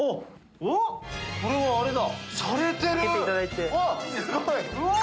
これはあれだ。